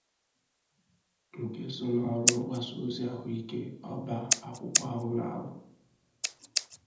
nke so n'ọrụ mgbasaozi ahụike ọba akwụkwọ ahụ na-arụ